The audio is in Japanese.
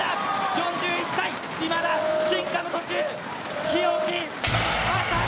４１歳、いまだ進化の途中、日置将士！